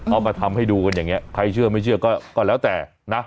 เอามาทำให้ดูกันอย่างนี้ใครเชื่อไม่เชื่อก็แล้วแต่นะ